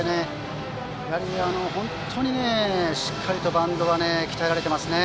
本当にしっかりバントは鍛えられていますね。